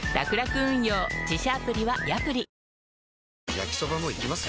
焼きソバもいきます？